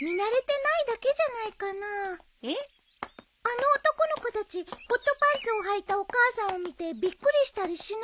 あの男の子たちホットパンツをはいたお母さんを見てびっくりしたりしないよね。